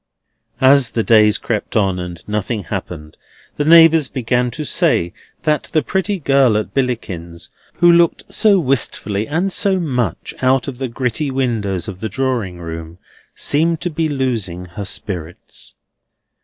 As the days crept on and nothing happened, the neighbours began to say that the pretty girl at Billickin's, who looked so wistfully and so much out of the gritty windows of the drawing room, seemed to be losing her spirits.